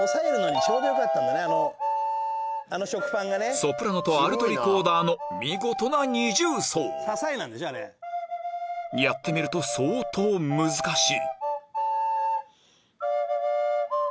ソプラノとアルトリコーダーの見事な二重奏やってみると相当難しい